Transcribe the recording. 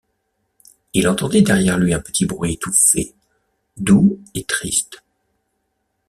Il entendait derrière lui un petit bruit étouffé, doux et triste.